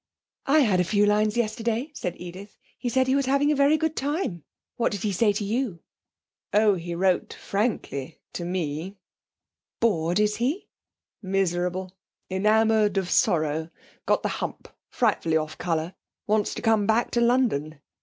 'I had a few lines yesterday,' said Edith. 'He said he was having a very good time. What did he say to you?' 'Oh, he wrote, frankly to me.' 'Bored, is he?' 'Miserable; enamoured of sorrow; got the hump; frightfully off colour; wants to come back to London.